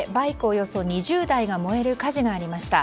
およそ２０台が燃える火事がありました。